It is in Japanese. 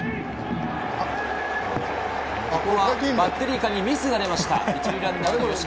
バッテリー間にミスが出ました。